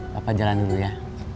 papa jalan dulu ya